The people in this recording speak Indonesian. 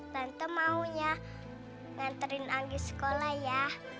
tante maunya nganterin anggi sekolah ya